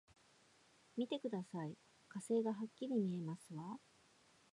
見てください、火星がはっきり見えますわ！